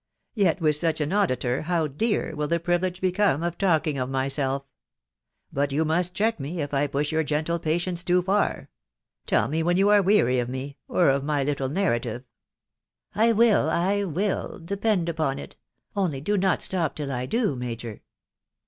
yet with such an auditor, how dear will the privilege become of talking of myself !..•. But you must check me, if I push your gentle patience too far. Tell me when you are weary of me .... or of my little narrative." " I will, I will .... depend upon it, .... only do not stop till I do, major."